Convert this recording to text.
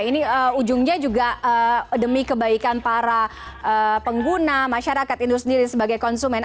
ini ujungnya juga demi kebaikan para pengguna masyarakat industri sebagai konsumen